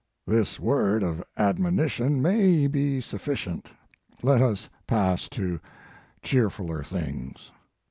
This word of admonition may be sufficient; let us pass to cheerfuller things.